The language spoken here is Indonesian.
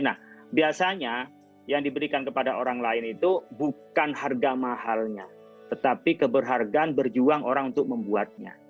nah biasanya yang diberikan kepada orang lain itu bukan harga mahalnya tetapi keberhargaan berjuang orang untuk membuatnya